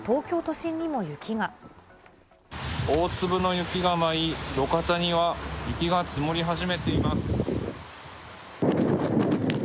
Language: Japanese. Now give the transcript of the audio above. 大粒の雪が舞い、路肩には雪が積もり始めています。